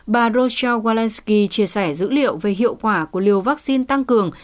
bà rochelle walensky chia sẻ dữ liệu về hiệu quả của liều vaccine tăng cường